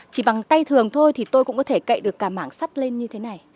chỉ bằng tay thường thôi thì tôi cũng có thể cậy được cả mảng sắt lên như thế này